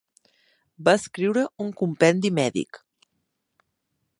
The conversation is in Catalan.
Va escriure un compendi mèdic.